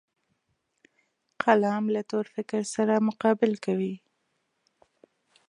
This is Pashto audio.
قلم له تور فکر سره مقابل کوي